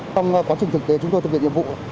trong quá trình thực tế chúng tôi thực hiện nhiệm vụ